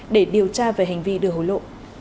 để điều tra về hành vi đưa hối lộ